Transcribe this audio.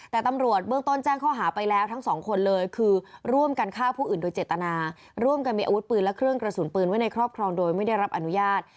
แต่ตำรวจเบื้องต้นแจ้งข้อหาไปแล้วทั้งสองคนเลยคือร่วมกันฆ่าผู้อื่นโดยเจตนาร่วมกันมีอาวุธปืนและเครื่องกระสุนปืนไว้ในครอบครองโดยไม่ได้รับอนุญาต